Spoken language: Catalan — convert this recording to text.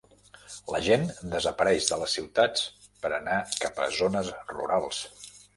La gent desapareix de les ciutats per anar cap a zones rurals.